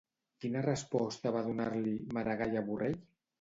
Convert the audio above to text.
Quina resposta va donar-li, Maragall a Borrell?